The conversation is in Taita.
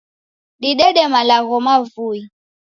Didede malagho mavui.